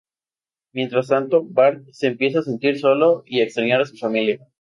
Mientras tanto, Bart se empieza a sentir solo y a extrañar a su familia.